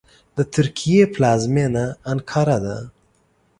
د ترکیې پلازمېنه انکارا ده .